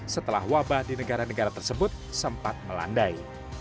setelah wabah di negara negara tersebut sempat melandai